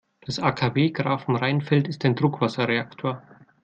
Das AKW Grafenrheinfeld ist ein Druckwasserreaktor.